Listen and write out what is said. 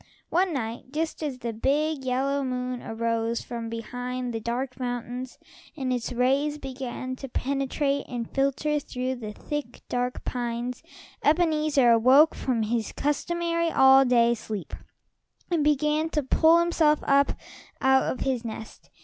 One night, just as the big, yellow moon arose from behind the dark mountains, and its rays began to penetrate and filter through the thick dark pines, Ebenezer awoke from his customary, all day sleep and began to pull himself up out of his nest.